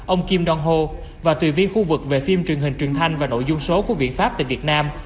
ông kim dong ho và tùy viên khu vực về phim truyền hình truyền thanh và nội dung số của viện pháp tại việt nam